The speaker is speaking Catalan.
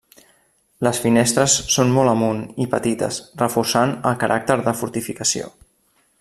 Les finestres són molt amunt i petites, reforçant el caràcter de fortificació.